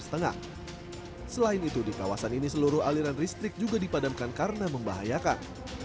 selain itu di kawasan ini seluruh aliran listrik juga dipadamkan karena membahayakan